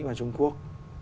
với trung quốc